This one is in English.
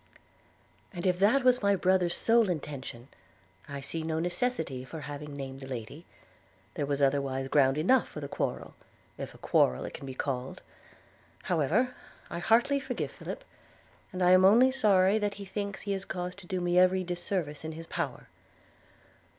'And if that was my brother's sole intention, I see no necessity for having named the lady; there was otherwise ground enough for the quarrel, if a quarrel it can be called. However, I heartily forgive Philip; and am only sorry that he thinks he has cause to do me every disservice in his power.'